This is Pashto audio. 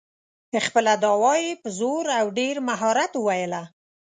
خپله دعوه یې په زور او ډېر مهارت وویله.